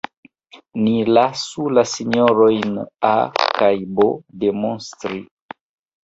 Ni lasu la sinjorojn A kaj B demonstri.